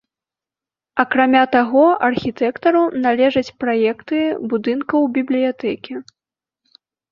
Акрамя таго, архітэктару належаць праекты будынкаў бібліятэкі.